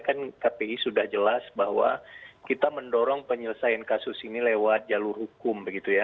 kan kpi sudah jelas bahwa kita mendorong penyelesaian kasus ini lewat jalur hukum begitu ya